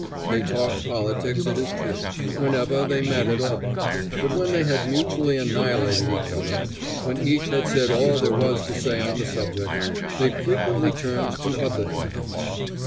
They talked politics, it is true, whenever they met at all, but when they had mutually annihilated each other, when each had said all there was to say on the subject, they frequently turned to other themes.